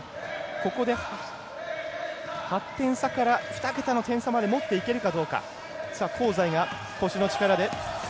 ここで８点差から２桁の点差までもっていけるか。